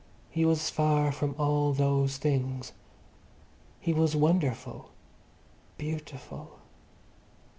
He was far from all those things. He was wonderful, beautiful.